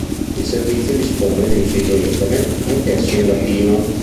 Il servizio dispone di un sito internet, anch'esso in latino.